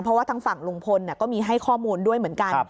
เพราะว่าทางฝั่งลุงพลก็มีให้ข้อมูลด้วยเหมือนกัน